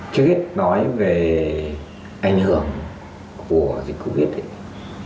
trước hết nói về ảnh hưởng của dịch covid